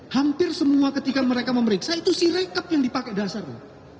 hampir semua ketika mereka memeriksa itu si rekap yang dipakai dasarnya